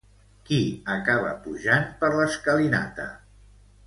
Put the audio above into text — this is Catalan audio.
Qui acaba pujant per l'escalinata?